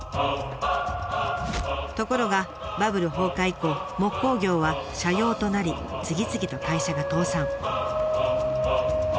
ところがバブル崩壊以降木工業は斜陽となり次々と会社が倒産。